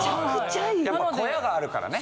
小屋があるからね